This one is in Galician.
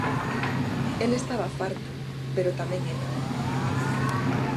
El estaba farto pero tamén ela.